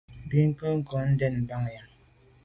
Bin ke nko ndèn banyàm.